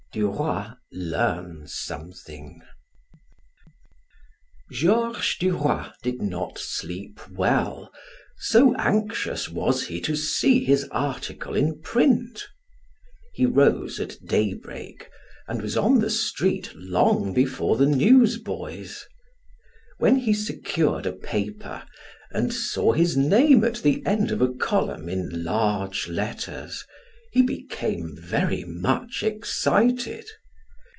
DUROY LEARNS SOMETHING Georges Duroy did not sleep well, so anxious was he to see his article in print. He rose at daybreak, and was on the street long before the newsboys. When he secured a paper and saw his name at the end of a column in large letters, he became very much excited.